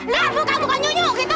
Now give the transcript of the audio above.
nah buka muka nyunjuk gitu